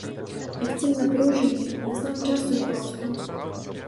І в цім напруженні не знав часу й простору.